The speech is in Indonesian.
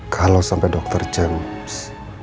kalau sampai dokter james